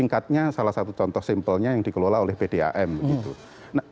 nah itu adalah sebuah contoh simple nya yang dikelola oleh pdam begitu